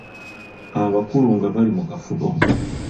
Abakulu nga bali mu kafubo.